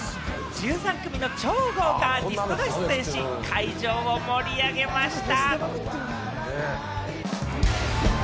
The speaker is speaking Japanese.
１３組の超豪華アーティストが出演し、会場を盛り上げました。